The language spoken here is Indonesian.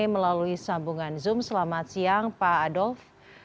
melalui sambungan zoom selamat siang pak adolf